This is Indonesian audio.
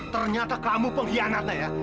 ternyata kamu pengkhianatnya ya